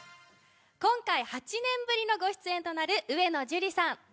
今回８年ぶりのご出演となる上野樹里さん。